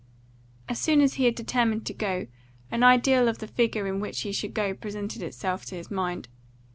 As soon as he had determined to go, an ideal of the figure in which he should go presented itself to his mind.